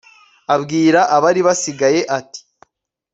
abwira abari basigaye ati